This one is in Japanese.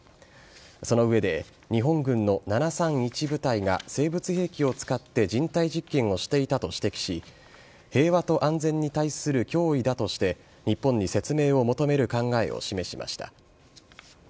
その上で日本軍の７３１部隊が生物兵器を使って人体実験をしていたと指摘し平和と安全に対する脅威だとして日本に説明を求める考えを示しました。